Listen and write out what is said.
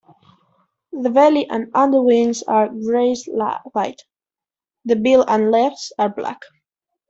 The belly and under-wings are greyish white; the bill and legs are black.